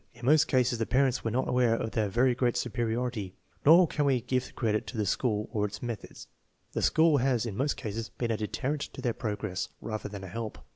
In most cases the parents were not aware of their very great superiority. Nor can we give the credit to the school or its methods. The school has in most cases been a deterrent to their progress, rather than a help.